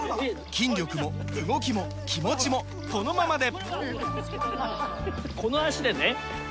筋力も動きも気持ちもこのままで！